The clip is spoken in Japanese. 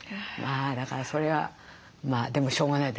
だからそれはまあでもしょうがないですよね。